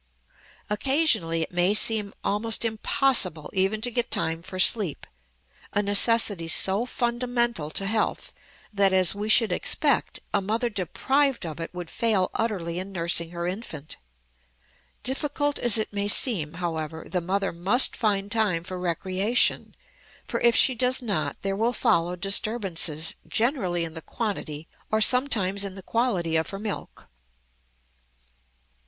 Occasionally it may seem almost impossible even to get time for sleep, a necessity so fundamental to health that, as we should expect, a mother deprived of it would fail utterly in nursing her infant. Difficult as it may seem, however, the mother must find time for recreation, for if she does not there will follow disturbances, generally in the quantity, or sometimes in the quality, of her milk.